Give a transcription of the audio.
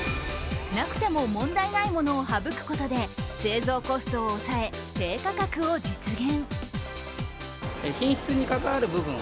なくても問題ないものを省くことで製造コストを抑え、低価格を実現。